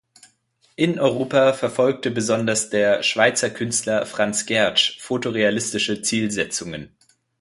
In Europa verfolgte besonders der Schweizer Künstler Franz Gertsch fotorealistische Zielsetzungen.